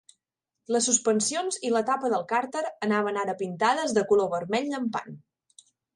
Les suspensions i la tapa del càrter anaven ara pintades de color vermell llampant.